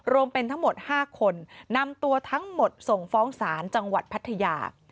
รวมเป็นทั้งหมด๕คนนำตัวทั้งหมดส่งฟ้องศาลจังหวัดพัทยา